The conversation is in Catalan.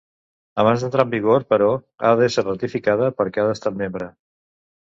Abans d'entrar en vigor, però, ha d'ésser ratificada per cada estat membre.